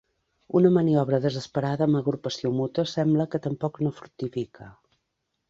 Una maniobra desesperada amb Agrupació Mútua sembla que tampoc no fructifica.